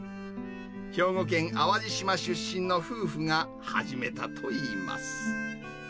兵庫県淡路島出身の夫婦が始めたといいます。